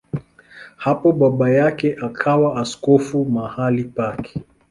Hapo baba yake akawa askofu mahali pake.